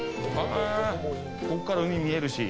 ここから海見えるし。